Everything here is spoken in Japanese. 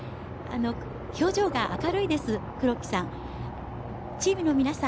表情が明るいです、黒木さん。